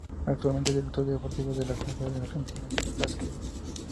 Actualmente es Director Deportivo de la Confederación Argentina de Básquetbol.